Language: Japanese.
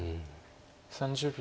３０秒。